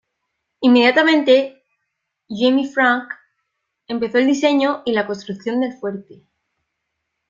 Inmediatamente Jaime Franck empezó el diseño y la construcción del Fuerte.